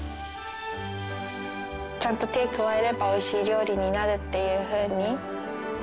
ちゃんと手を加えればおいしい料理になるっていうふうに。